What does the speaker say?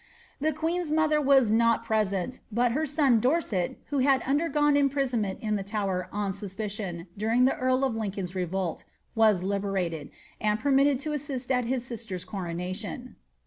The queen's mother was not pre 8piit, but her son Dorset, who had undergone imprisonment in the Tower oil suspicion, during the earl of Lincoln's revolt, was liberated, and per mitted to assist at his sister's coronation.'